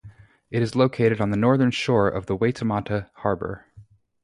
It is located on the northern shore of the Waitemata Harbour.